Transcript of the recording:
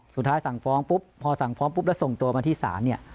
สุดท้ายสั่งฟ้องพอสั่งฟ้องแล้วส่งตัวมาที่สาร